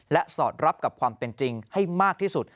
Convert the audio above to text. และสอดรับกับความเป็นจริงให้มากที่สุด